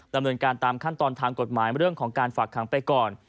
ดำเนินการตามขั้นตอนทางกฎหมายเรื่องของการฝากขังไปก่อน